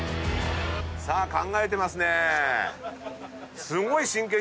さあ考えてますね。